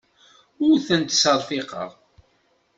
Ur tent-ttserfiqeɣ.